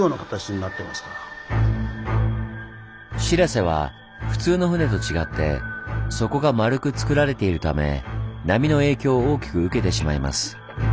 しらせは普通の船と違って底が丸く造られているため波の影響を大きく受けてしまいます。